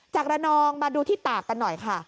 ระนองมาดูที่ตากกันหน่อยค่ะ